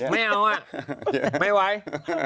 ไม่เอาอ่ะไม่ไหว